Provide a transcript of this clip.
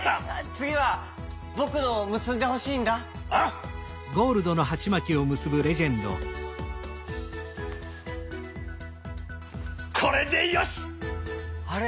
つぎはぼくのをむすんでほしいんだ。ああ！これでよし！あれ？